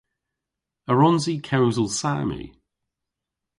A wrons i kewsel Saami?